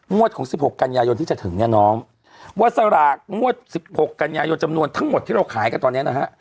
ของ๑๖กันยายนที่จะถึงเนี่ยน้องว่าสลากงวด๑๖กันยายนจำนวนทั้งหมดที่เราขายกันตอนนี้นะฮะ